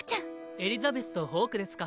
エリザベスとホークですか。